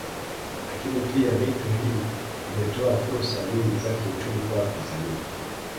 Lakini pia mito hii imetoa fursa nyingi za kiuchumi kwa watanzania